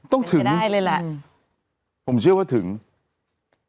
ต้องถึงไม่ได้เลยล่ะผมเชื่อว่าถึงถึง